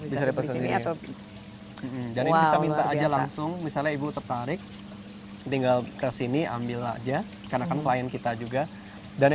bisa di sini atau bisa minta aja langsung misalnya ibu tertarik tinggal ke sini ambil aja karena kan